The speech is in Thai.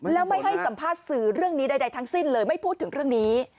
แล้วไม่ให้สัมภาษณ์สื่อเรื่องนี้ใดทั้งสิ้นเลยไม่พูดถึงเรื่องนี้